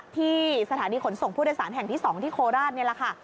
ที่สถานีขนส่งผู้โดยสารแห่งที่๒ที่โคราชนี่แหละค่ะ